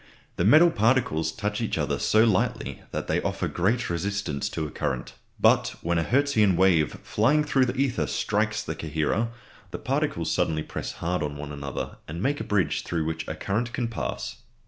The metal particles touch each other so lightly that they offer great resistance to a current. But when a Hertzian wave flying through the ether strikes the coherer, the particles suddenly press hard on one another, and make a bridge through which a current can pass.